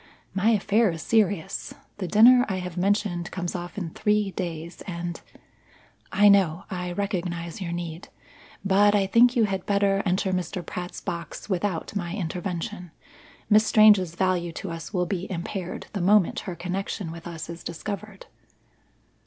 My affair is serious. The dinner I have mentioned comes off in three days and " "I know. I recognize your need; but I think you had better enter Mr. Pratt's box without my intervention. Miss Strange's value to us will be impaired the moment her connection with us is discovered."